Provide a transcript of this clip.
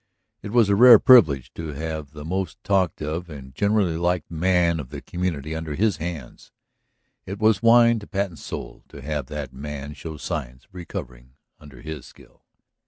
It was a rare privilege to have the most talked of and generally liked man of the community under his hands; it was wine to Patten's soul to have that man show signs of recovering under his skill.